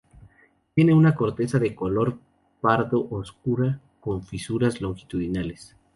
Tiene una corteza de color pardo oscura, con fisuras longitudinales.